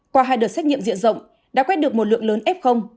qua hai đợt xét nghiệm diện rộng đã quét được một lượng lớn f